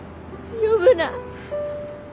呼ぶな。